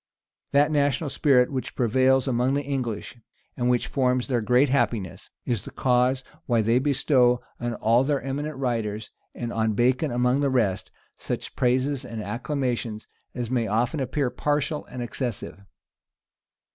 That national spirit which prevails among the English, and which forms their great happiness, is the cause why they bestow on all their eminent writers, and on Bacon among the rest, such praises and acclamations as may often appear partial and excessive.